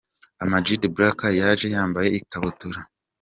Amag the Black yaje yambaye ikabutura.